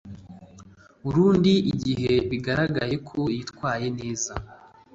burundu igihe bigaragaye ko yitwaye neza